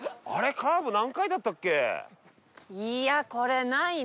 カーブ何回だったっけ？